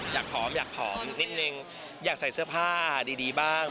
ผอมอยากผอมนิดนึงอยากใส่เสื้อผ้าดีบ้าง